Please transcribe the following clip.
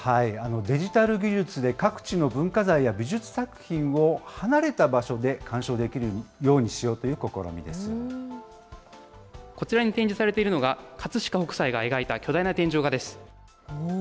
デジタル技術で、各地の文化財や美術作品を離れた場所で鑑賞できるようにしようとこちらに展示されているのが、葛飾北斎が描いた巨大な天井画です。